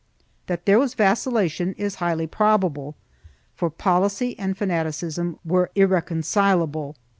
3 That there was vacillation is highly probable, for policy and fanaticism were irreconcilable.